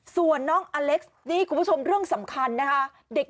ส่วนน้องอเล็กซ์นี่คุณผู้ชมเรื่องสำคัญนะคะ